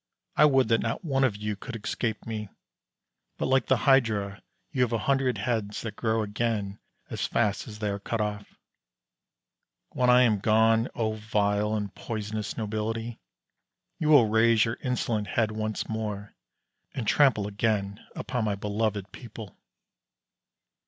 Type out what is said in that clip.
I would that not one of you could escape me; but, like the hydra, you have a hundred heads, that grow again as fast as they are cut off. When I am gone, O vile and poisonous nobility, you will raise your insolent head once more, and trample again upon my beloved people.